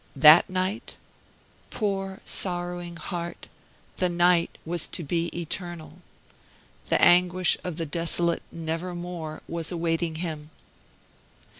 That night? Poor sorrowing heart, the night was to be eternal! The anguish of the desolate "never more" was awaiting him.